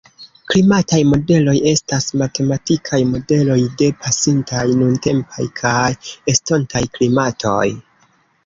Klimataj modeloj estas matematikaj modeloj de pasintaj, nuntempaj kaj estontaj klimatoj.